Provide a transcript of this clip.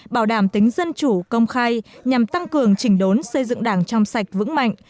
bảo đảm tính dân chủ công khai nhằm tăng cường chỉnh đốn xây dựng đảng trong sạch vững mạnh